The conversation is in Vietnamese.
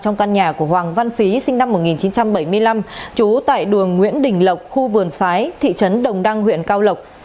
trong căn nhà của hoàng văn phí sinh năm một nghìn chín trăm bảy mươi năm trú tại đường nguyễn đình lộc khu vườn sái thị trấn đồng đăng huyện cao lộc